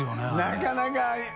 なかなか。